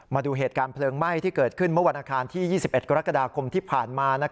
มาดูเหตุการณ์เพลิงไหม้ที่เกิดขึ้นเมื่อวันอาคารที่๒๑กรกฎาคมที่ผ่านมา